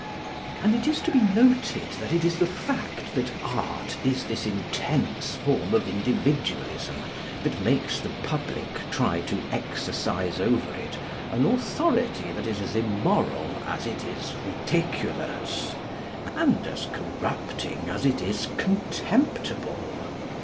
And it is to be noted that it is the fact that Art is this intense form of Individualism that makes the public try to exercise over it in an authority that is as immoral as it is ridiculous, and as corrupting as it is contemptible.